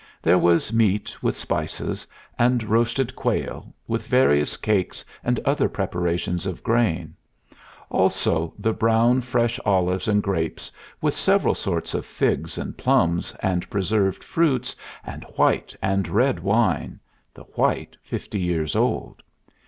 There was meat with spices, and roasted quail, with various cakes and other preparations of grain; also the brown fresh olives and grapes, with several sorts of figs and plums, and preserved fruits, and white and red wine the white fifty years old.